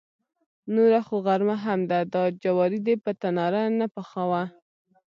نوره خو غرمه هم ده، دا جواری دې په تناره نه پخاوه.